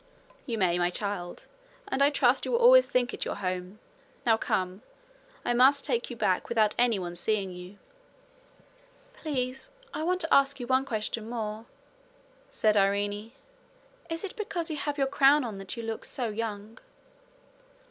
'You may, my child. And I trust you will always think it your home. Now come. I must take you back without anyone seeing you.' 'Please, I want to ask you one question more,' said Irene. 'Is it because you have your crown on that you look so young?'